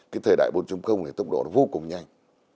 cái thời đại bốn này tốc độ nó vô cùng nhanh